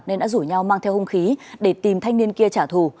nên đã rủ nhau mang theo hung khí để tìm thanh niên kia trả thù